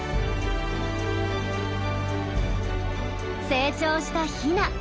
成長したヒナ。